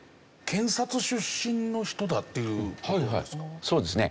検察出身の人だっていう事ですか？